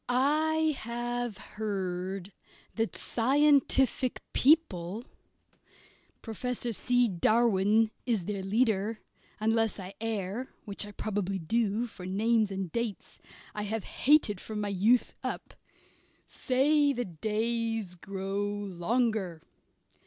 I have heard that scientific people Professor C. Darwin is their leader, unless I err which probably I do, for names and dates I have hated from my youth up say the days grow longer.